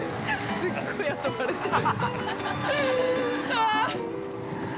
すごい遊ばれてる。